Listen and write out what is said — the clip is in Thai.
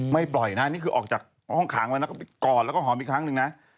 ไม่ปล่อยนะนี่คือออกจากห้องข่างไปกอดแล้วก็หอมอีกครั้งหนึ่งนะ